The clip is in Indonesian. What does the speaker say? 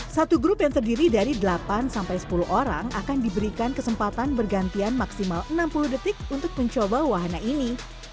satu grup yang terdiri dari delapan sampai sepuluh orang akan diberikan kesempatan bergantian maksimal enam puluh detik untuk mencoba wahana ini